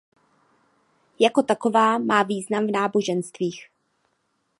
Jako taková má význam v náboženstvích.